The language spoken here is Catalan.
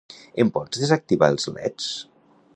Em pots desactivar els leds?